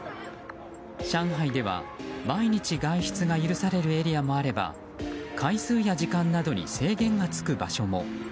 上海では毎日外出が許されるエリアもあれば回数や時間などに制限がつく場所も。